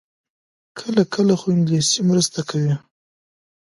کله کله، خو انګلیسي مرسته کوي